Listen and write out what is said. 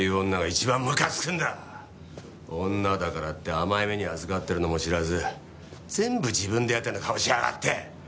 女だからって甘い目にあずかってるのも知らず全部自分でやったような顔しやがって。